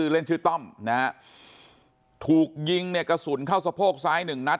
เล่นชื่อต้อมนะฮะถูกยิงเนี่ยกระสุนเข้าสะโพกซ้ายหนึ่งนัด